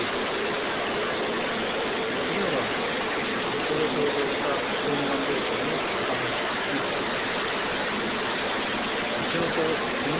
次の場面は先ほど登場した小児がん病棟の看護師Ｇさんです。